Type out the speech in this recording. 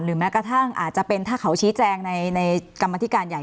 แม้กระทั่งอาจจะเป็นถ้าเขาชี้แจงในกรรมธิการใหญ่